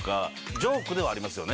ジョークではありますよね？